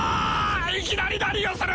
いきなり何をする！